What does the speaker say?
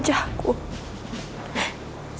setidaknya bopo mengenal suaraku